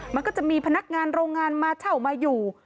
มันก็จะมีพนักงานโรงงานมาเช่ามาอยู่